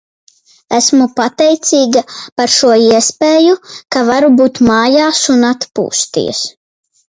Esmu pateicīga par šo iespēju, ka varu būt mājās un atpūsties.